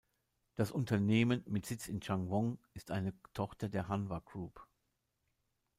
Das Unternehmen mit Sitz in Changwon ist eine Tochter der Hanwha Group.